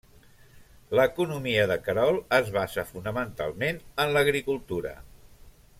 L'economia de Querol es basa fonamentalment en l'agricultura.